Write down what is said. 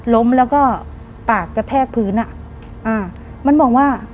ล้มแล้วก็ปากกระแทกพื้นอ่ะอ่ามันบอกว่า